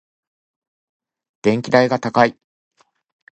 電気代が高い。